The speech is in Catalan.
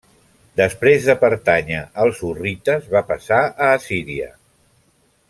Després de pertànyer als hurrites va passar a Assíria.